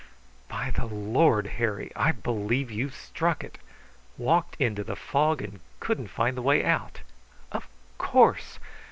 "By the Lord Harry, I believe you've struck it! Walked into the fog and couldn't find the way out. Of course.